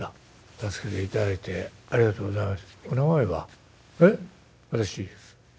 助けていただいてありがとうございます。